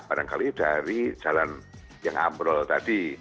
barangkali dari jalan yang ambrol tadi